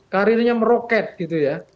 karirnya meroket gitu ya